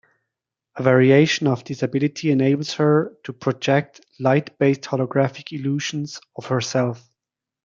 A variation of this ability enables her to project light-based holographic illusions of herself.